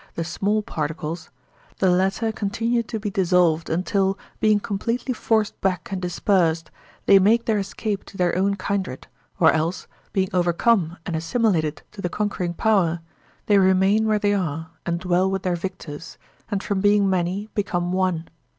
the small particles), the latter continue to be dissolved until, being completely forced back and dispersed, they make their escape to their own kindred, or else, being overcome and assimilated to the conquering power, they remain where they are and dwell with their victors, and from being many become one.